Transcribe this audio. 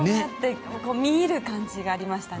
見入る感じがありましたね。